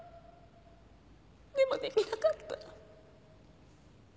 でもできなかった。